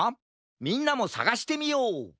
みんなもさがしてみよう！